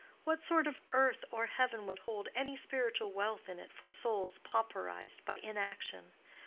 What sort of earth or heaven would hold any spiritual wealth in it for souls pauperized by inaction?